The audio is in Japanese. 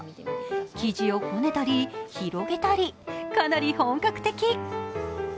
生地をこねたり、広げたり、かなり本格的。